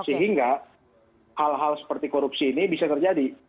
sehingga hal hal seperti korupsi ini bisa terjadi